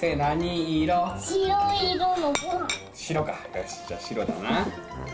よしじゃ白だな。